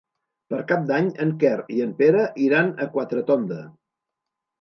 Per Cap d'Any en Quer i en Pere iran a Quatretonda.